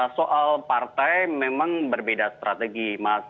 soal partai memang berbeda strategi mas